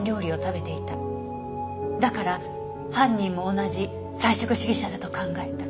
だから犯人も同じ菜食主義者だと考えた。